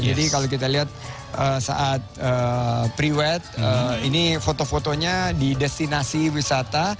kalau kita lihat saat pre wed ini foto fotonya di destinasi wisata